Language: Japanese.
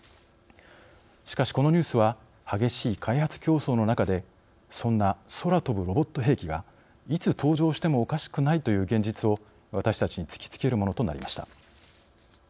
しかし、このニュースは激しい開発競争の中でそんな空飛ぶロボット兵器がいつ登場してもおかしくないという現実を私たちに突きつけるものとなりました。